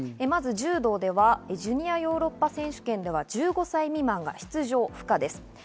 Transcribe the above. まず柔道ではジュニアヨーロッパ選手権では１５歳未満が出場不可です。